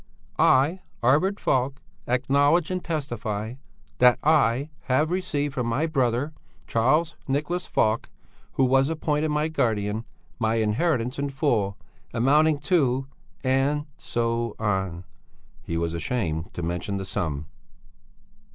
'I, Arvid Falk, acknowledge and testify that I have received from my brother, Charles Nicholas Falk who was appointed my guardian my inheritance in full amounting to ' and so on." He was ashamed to mention the sum.